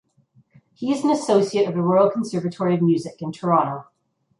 He is an Associate of the Royal Conservatory of Music in Toronto.